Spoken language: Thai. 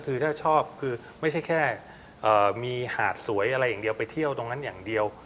คือถ้าชอบคือไม่ใช่แค่มีหาดสวยอะไรอย่างเดียวไปเที่ยวตรงนั้นอย่างเดียว